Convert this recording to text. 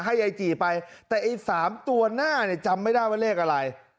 ไอจีไปแต่ไอ้๓ตัวหน้าเนี่ยจำไม่ได้ว่าเลขอะไร